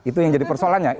itu yang jadi persoalannya